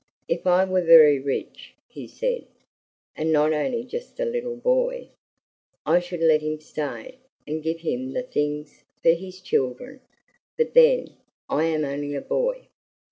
"If I were very rich," he said, "and not only just a little boy, I should let him stay, and give him the things for his children; but then, I am only a boy."